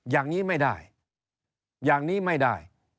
อย่างนี้ไม่ได้อย่างนี้ไม่ได้